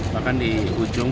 bahkan di ujung